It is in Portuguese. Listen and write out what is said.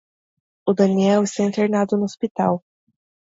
O Daniel está internado no Hospital